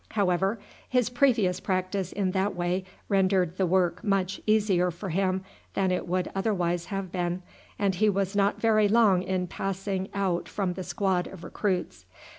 However, his previous practice in that way rendered the work much easier for him than it would otherwise have been, and he was not very long in passing out from the squad of recruits.